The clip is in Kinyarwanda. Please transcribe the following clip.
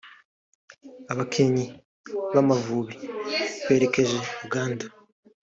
Abakinnyi b’Amavubi berekeje Uganda